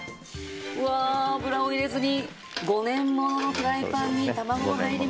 うわ油を入れずに５年もののフライパンに卵が入りました。